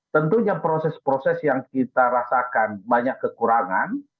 tentunya proses proses yang kita rasakan banyak kekurangan